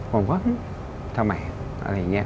ผมก็ทำไมอะไรอย่างนี้